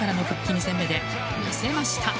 ２戦目で見せました。